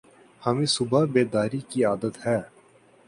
ہمیں صبح بیداری کی عادت ہے ۔